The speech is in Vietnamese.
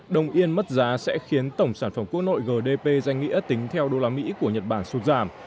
đồng yên mất giá sẽ khiến tổng sản phẩm quốc nội gdp danh nghĩa tính theo đô la mỹ của nhật bản sụt giảm